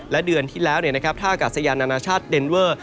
และเดือนที่แล้วท่ากาศยานานาชาติเดนเวอร์